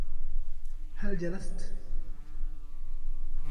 هلاّ جلستِ؟